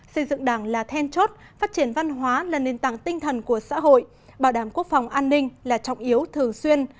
xây dựng đảng là then chốt phát triển văn hóa là nền tảng tinh thần của xã hội bảo đảm quốc phòng an ninh là trọng yếu thường xuyên